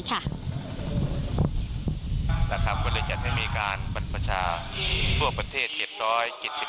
ร่วมกับสำนักงานพระพุทธศาสนาแห่งชาติหรือพศจัดโครงการบรรพชาอุปสรมบท๗๗๐รูเพื่อเฉลิมพระเกียรติ